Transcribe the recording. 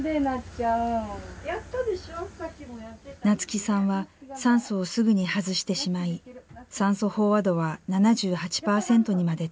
夏輝さんは酸素をすぐに外してしまい酸素飽和度は７８％にまで低下。